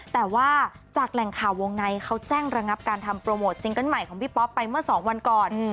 แต่ว่าจากแหล่งข่าววงในเขาแจ้งระงับการทำโปรโมทซิงเกิ้ลใหม่ของพี่ป๊อปไปเมื่อ๒วันก่อน